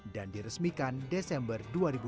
dan diresmikan desember dua ribu dua belas